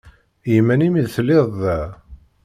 I iman-im i telliḍ da?